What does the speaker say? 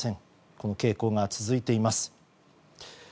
この傾向が続いています。